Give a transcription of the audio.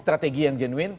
strategi yang jenuin